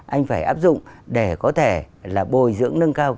anh phải áp dụng để có thể là bồi dưỡng nâng cao